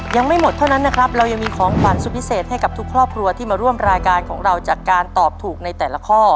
ยังไม่หมดเท่านั้นนะครับเรายังมีของขวัญสุดพิเศษให้กับทุกครอบครัวที่มาร่วมรายการของเราจากการตอบถูกในแต่ละข้อ